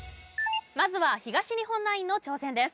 まずは東日本ナインの挑戦です。